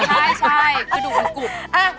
ใช่กระดูกมันกุด